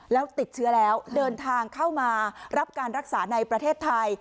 แล้วติดเชื้อแล้วเดินทางเข้ามารับการรักษาในประเทศไทย